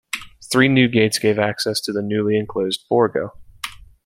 Three new gates gave access to the newly enclosed Borgo.